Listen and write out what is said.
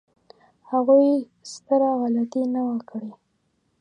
هغوی ستره غلطي نه وه کړې.